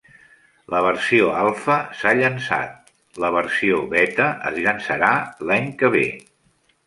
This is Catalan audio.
La versió alfa s'ha llançat, la versió beta es llançarà l'any que ve.